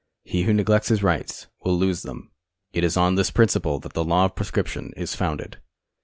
He who neglects his rights will lose them. It is on this principle that the law of prescription is founded.